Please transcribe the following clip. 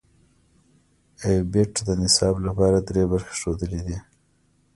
ای بیټ د نصاب لپاره درې برخې ښودلې دي.